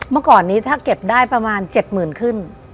เมื่อก่อนนี้ถ้าเก็บได้ประมาณ๗๐๐๐ขึ้น